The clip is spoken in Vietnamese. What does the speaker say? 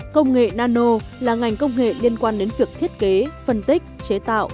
công nghệ nano là ngành công nghệ liên quan đến việc thiết kế phân tích chế tạo